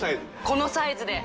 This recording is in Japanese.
このサイズで。